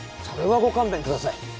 それはご勘弁ください